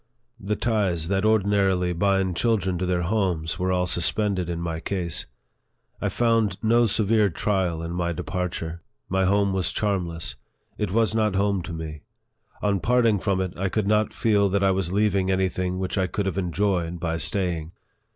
The ties that ordinarily bind children to their homes were all suspended in my case. I found no severe trial in my departure. My home was charmless; it was not home to me ; on parting from it, I could not feel that I was leaving any thing which I could have enjoyed by staying.